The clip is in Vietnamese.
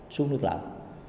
xuống nước lạnh